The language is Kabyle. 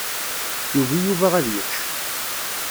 Yugi Yuba ad yečč.